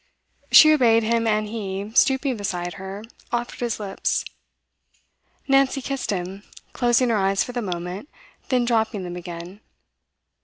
She obeyed him, and he, stooping beside her, offered his lips. Nancy kissed him, closing her eyes for the moment, then dropping them again.